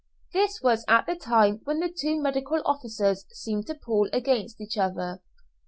This was at the time when the two medical officers seemed to pull against each other.